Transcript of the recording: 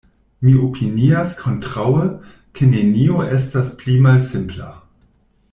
Mi opinias kontraŭe, ke nenio estas pli malsimpla.